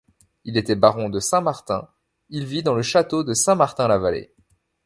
Il était baron de Saint-Martin, il vit dans le château de Saint-Martin-la-Vallée.